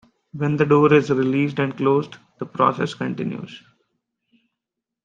When the door is released and closed, the process continues.